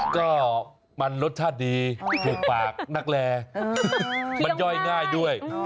ก็มันรสชาติดีถูกปากนักแลมันย่อยง่ายด้วย